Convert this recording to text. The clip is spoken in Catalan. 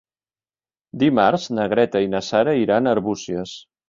Dimarts na Greta i na Sara iran a Arbúcies.